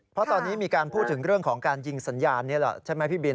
เพราะตอนนี้มีการพูดถึงเรื่องของการยิงสัญญาณนี่แหละใช่ไหมพี่บิน